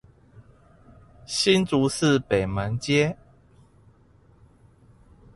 新竹市北門街